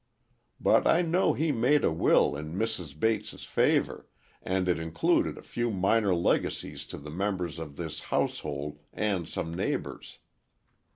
But, I know he made a will in Mrs. Bates' favor, and it included a few minor legacies to the members of this household and some neighbors."